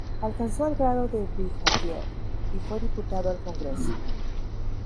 Alcanzó el grado de brigadier y fue diputado al Congreso.